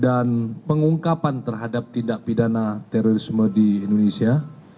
dan pengungkapan terhadap tindak pidana terorisme di indonesia